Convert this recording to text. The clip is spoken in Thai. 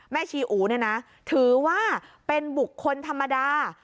แม่ชีอู๋ถือว่าเป็นบุคคลธรรมดา